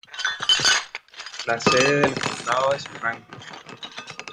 La sede del condado es Franklin.